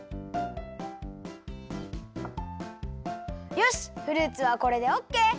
よしフルーツはこれでオッケー！